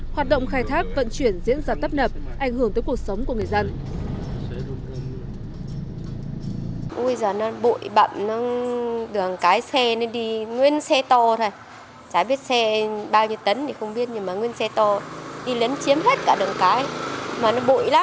hoạt động khai thác vận chuyển diễn ra tấp nập ảnh hưởng tới cuộc sống của người dân